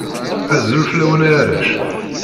Azul fellawen a arrac